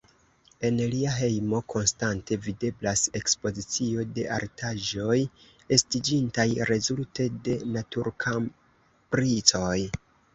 En lia hejmo konstante videblas ekspozicio de artaĵoj, estiĝintaj rezulte de naturkapricoj.